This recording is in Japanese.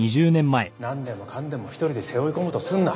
なんでもかんでも一人で背負い込もうとするな。